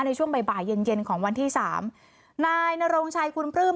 ในช่วงบ่ายบ่ายเย็นเย็นของวันที่สามนายนรงชัยคุณปลื้ม